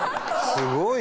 「すごい！」